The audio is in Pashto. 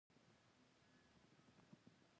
په تخصص کې ایرو ډینامیک شامل دی.